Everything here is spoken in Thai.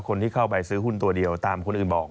คนที่เข้าไปซื้อหุ้นตัวเดียวตามคนอื่นบอก